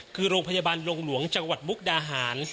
คือโรงพยาบาลดงหลวงจังหวัดมุกดาหาร